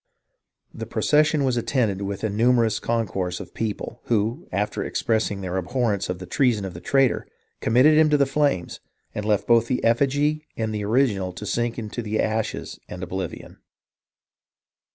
"The procession was attended with a numerous con course of people, who, after expressing their abhorrence of the treason of the traitor, committed him to the flames, and left both the efifigy and the original to sink into ashes and oblivion.